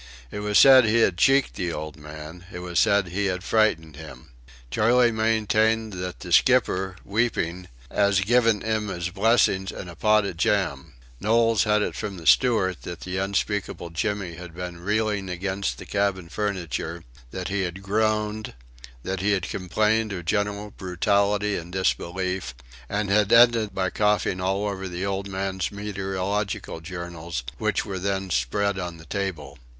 It was said he had cheeked the old man; it was said he had frightened him. Charley maintained that the "skipper, weepin,' 'as giv' 'im 'is blessin' an' a pot of jam." Knowles had it from the steward that the unspeakable Jimmy had been reeling against the cabin furniture; that he had groaned; that he had complained of general brutality and disbelief; and had ended by coughing all over the old man's meteorological journals which were then spread on the table.